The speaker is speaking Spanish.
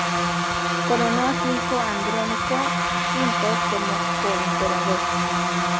Coronó a su hijo Andrónico V como coemperador.